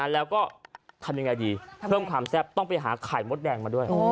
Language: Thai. แล้วก็ทำยังไงดีเพิ่มความแซ่บต้องไปหาไข่มดแดงมาด้วย